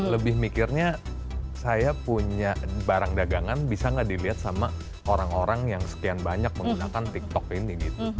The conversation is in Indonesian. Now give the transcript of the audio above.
lebih mikirnya saya punya barang dagangan bisa nggak dilihat sama orang orang yang sekian banyak menggunakan tiktok ini gitu